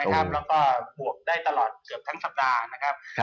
และก็บวกได้เกือบทั้งสัปดาห์